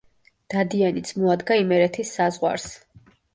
დადიანიც მოადგა იმერეთის საზღვარს.